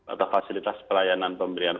atau fasilitas pelayanan pemberian